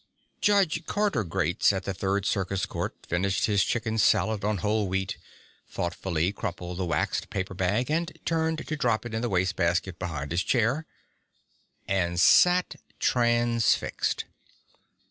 Judge Carter Gates of the Third Circuit Court finished his chicken salad on whole wheat, thoughtfully crumpled the waxed paper bag and turned to drop it in the waste basket behind his chair and sat transfixed.